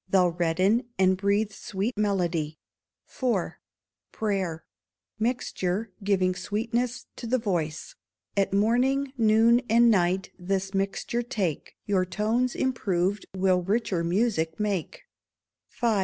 They'll redden, and breathe sweet melody. iv. Prayer Mixture, giving Sweetness to the Voice. At morning, noon, and night this mixture take, Your tones, improved, will richer music make. v.